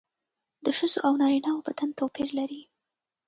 د ښځو او نارینه وو بدن توپیر لري